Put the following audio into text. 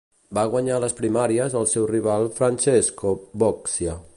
Va guanyar les primàries al seu rival Francesco Boccia.